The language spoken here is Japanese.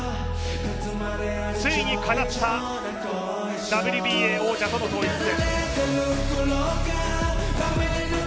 ついにかなった、ＷＢＡ王者との統一戦。